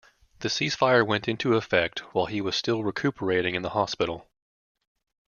The ceasefire went into effect while he was still recuperating in the hospital.